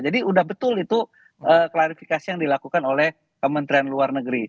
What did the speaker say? jadi sudah betul itu klarifikasi yang dilakukan oleh kementerian luar negeri